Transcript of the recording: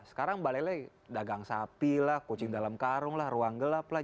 sekarang mbak lele dagang sapi lah kucing dalam karung lah ruang gelap lah